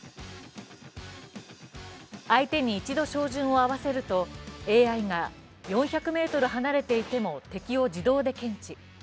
相手に一度、照準を合わせるとＡＩが４００ｍ離れていても敵を自動で検知。